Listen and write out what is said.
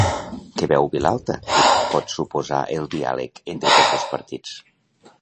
Què veu Vilalta que pot suposar el diàleg entre tots dos partits?